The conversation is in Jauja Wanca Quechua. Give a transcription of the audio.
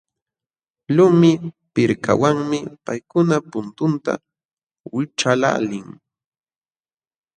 Lumi pirkawanmi paykuna puntunta wićhqaqlaalin.